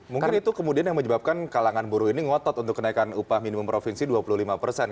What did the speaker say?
mungkin itu kemudian yang menyebabkan kalangan buruh ini ngotot untuk kenaikan upah minimum provinsi dua puluh lima persen